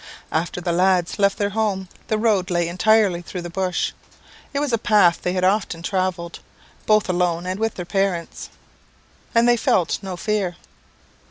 After the lads left their home, the road lay entirely through the bush. It was a path they had often travelled, both alone and with their parents, and they felt no fear.